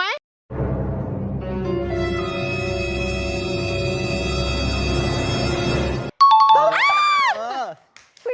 อ่า